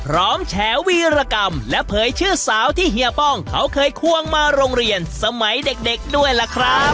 แฉวีรกรรมและเผยชื่อสาวที่เฮียป้องเขาเคยควงมาโรงเรียนสมัยเด็กด้วยล่ะครับ